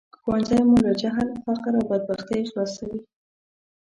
ښوونځی مو له جهل، فقر او بدبختۍ خلاصوي